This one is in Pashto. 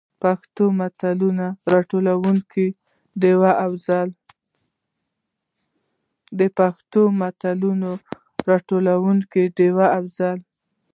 پښتو متلونو: راټولونکې ډيـوه افـضـل.